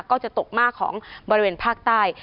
ก็จะตกมากของบริเวณภาคใต้